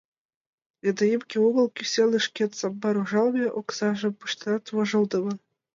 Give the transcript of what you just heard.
Недоимке огыл, кӱсенышкет самбар ужалыме оксажым пыштенат, вожылдымо!